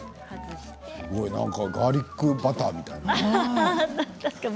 ガーリックバターみたい。